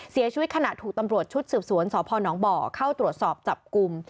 เสียชีวิตขนาดถูกตำรวจชุดสืบสวนสนบเข้าตรวจสอบจับกลุ่ม